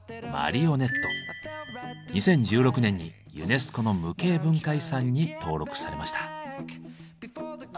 ２０１６年にユネスコの無形文化遺産に登録されました。